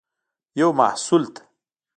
یو محصول ته